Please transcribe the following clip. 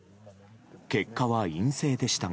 結果は陰性でしたが。